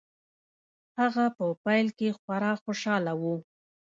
هغه په پيل کې خورا خوشحاله و.